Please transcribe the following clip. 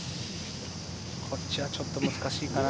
こっちはちょっと難しいかな？